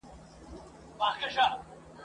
خان هم توره چلول هم توپکونه ..